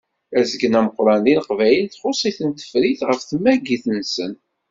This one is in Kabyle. Azgen ameqqran deg Leqbayel txuṣṣ-iten tefrit ɣef tamagit-nsen.